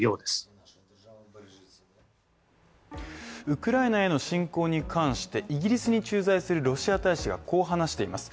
ウクライナへの侵攻に関して、イギリスに駐在するロシア大使がこう話しています。